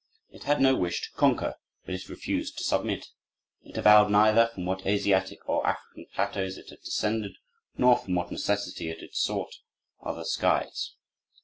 It had no wish to conquer, but it refused to submit. It avowed neither from what Asiatic or African plateaus it had descended, nor from what necessity it had sought other skies.